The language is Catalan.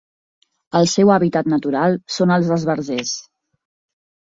El seu hàbitat natural són els esbarzers.